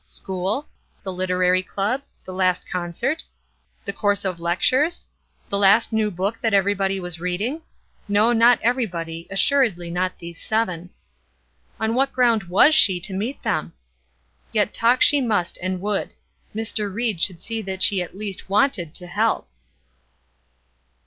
School? The Literary Club? The last concert? The course of lectures? The last new book that everybody was reading? No, not everybody; assuredly not these seven. On what ground was she to meet them? Yet talk she must and would. Mr. Ried should see that she at least wanted to help.